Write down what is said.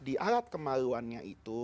di alat kemaluannya itu